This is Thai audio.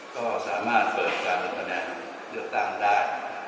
ก็สามารถเปิดการลงคะแนนเลือกตั้งได้